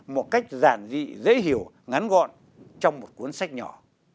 một cách giản dị dễ hiểu ngắn gọn trong một cuốn sách nhỏ